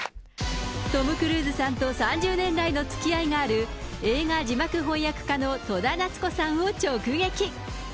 トム・クルーズさんと３０年来のつきあいがある映画字幕翻訳家の戸田奈津子さんを直撃。